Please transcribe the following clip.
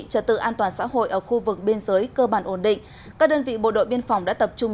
trật tự an toàn xã hội ở khu vực biên giới cơ bản ổn định các đơn vị bộ đội biên phòng đã tập trung